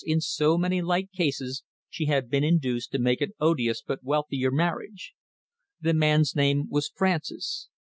in so many like cases, she had been induced to make an odious but wealthier marriage. The man's name was Francis.